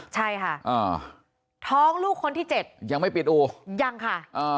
ใช่ค่ะท้องลูกคนที่๗ก็ไม่เปรียบอูยังค่ะ